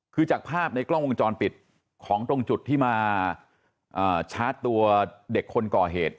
คือจากภาพในกล้องวงจรปิดของตรงจุดที่มาชาร์จตัวเด็กคนก่อเหตุ